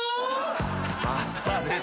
また出たよ。